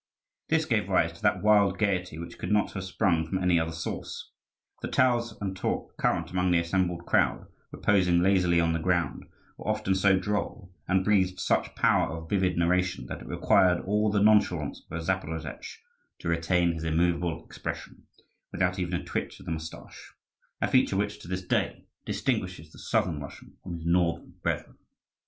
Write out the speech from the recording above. This gave rise to that wild gaiety which could not have sprung from any other source. The tales and talk current among the assembled crowd, reposing lazily on the ground, were often so droll, and breathed such power of vivid narration, that it required all the nonchalance of a Zaporozhetz to retain his immovable expression, without even a twitch of the moustache a feature which to this day distinguishes the Southern Russian from his northern brethren.